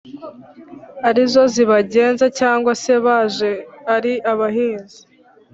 arizo zibagenza, cyangwa se baje ari abahinzi